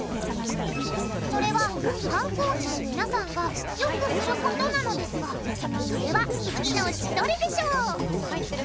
それは観光地で皆さんがよくすることなのですがそれは次のうちどれでしょう？